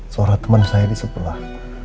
suara teman saya di sebelah